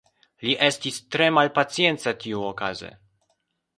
Li estis tre malpacienca tiuokaze.